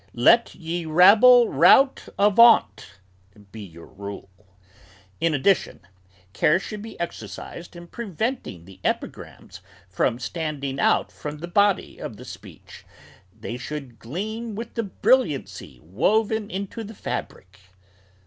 Let 'Ye rabble rout avaunt,' be your rule. In addition, care should be exercised in preventing the epigrams from standing out from the body of the speech; they should gleam with the brilliancy woven into the fabric.